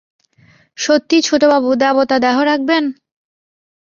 সত্যি ছোটবাবু, দেবতা দেহ রাখবেন?